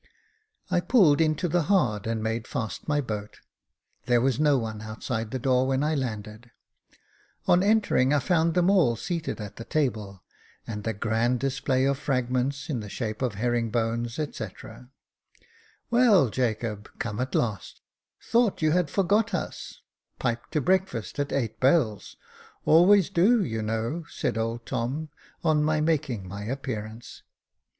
I pulled into the hard, and made fast my boat. There was no one outside the door when I landed ; on entering. Jacob Faithful 3 1 1 I found them all seated at the table, and a grand display of fragments, in the shape of herring bones, &c. "Well, Jacob — come at last — thought you had forgot us j piped to breakfast at eight bells — always do, you know," said old Tom, on my making my appearance.